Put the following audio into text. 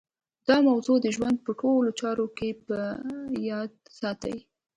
دا موضوع د ژوند په ټولو چارو کې په یاد ساتئ